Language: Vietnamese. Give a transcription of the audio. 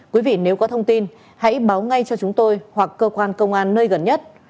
quý vị nếu có thông tin hãy báo ngay cho chúng tôi hoặc cơ quan công an nơi gần nhất